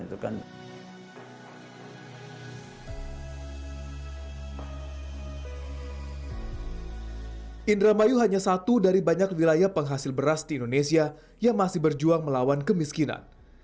indramayu hanya satu dari banyak wilayah penghasil beras di indonesia yang masih berjuang melawan kemiskinan